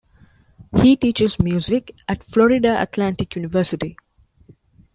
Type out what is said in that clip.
He teaches music at Florida Atlantic University.